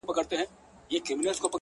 قرآن يې د ښايست ټوله صفات راته وايي _